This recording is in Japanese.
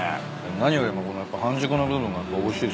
何よりもこのやっぱ半熟の部分がおいしいですよね。